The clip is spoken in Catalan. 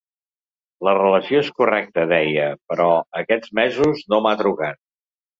“La relació és correcta”, deia, però “aquests mesos no m’ha trucat”.